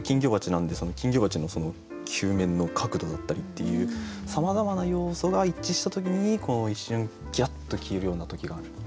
なんで金魚鉢の球面の角度だったりっていうさまざまな要素が一致した時に一瞬キラッと消えるような時がある。